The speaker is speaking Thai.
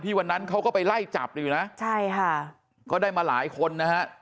วันนั้นเขาก็ไปไล่จับอยู่นะใช่ค่ะก็ได้มาหลายคนนะฮะ